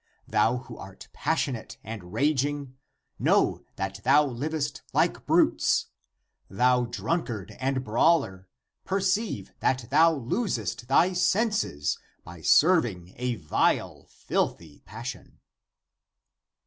Thou who art passionate and raging, know that thou livest like brutes ; thou drunkard and 148 THE APOCRYPHAL ACTS brawler, perceive that thou losest thy senses by serv ing a vile, filthy passion